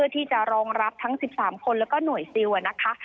ที่จะรองรับทั้ง๑๓คนแล้วก็หน่วยซิลนะคะ